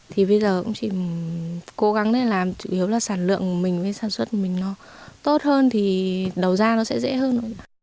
thì bây giờ cũng chỉ cố gắng làm chủ yếu là sản lượng mình với sản xuất mình tốt hơn thì đầu ra nó sẽ dễ hơn